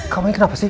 kamu ini kenapa sih